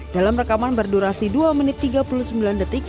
dalam rekaman berdurasi dua menit tiga puluh sembilan detik